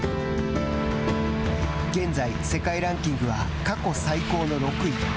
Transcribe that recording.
現在、世界ランキングは過去最高の６位。